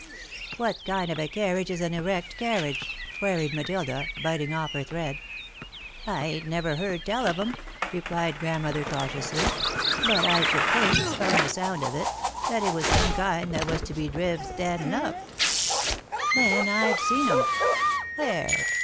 "What kind of a carriage is an erect carriage?" queried Matilda, biting off her thread. "I ain't never heard tell of 'em," replied Grandmother, cautiously, "but I should think, from the sound of it, that it was some kind that was to be driv' standin' up." [Sidenote: The Power of Ages] "Then I've seen 'em." "Where?"